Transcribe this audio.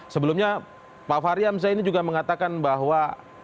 sebelumnya pak fahri hamzah ini juga mengatakan bahwa